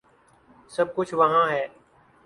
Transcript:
سب کچھ وہاں ہے۔